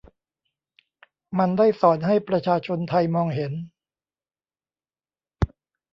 มันได้สอนให้ประชาชนไทยมองเห็น